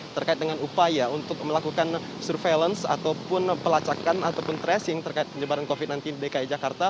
terkait dengan upaya untuk melakukan surveillance ataupun pelacakan ataupun tracing terkait penyebaran covid sembilan belas di dki jakarta